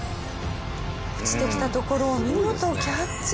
落ちてきたところを見事キャッチ。